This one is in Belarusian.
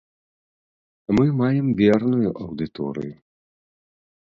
Мы маем верную аўдыторыю.